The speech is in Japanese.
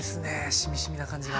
しみしみな感じが。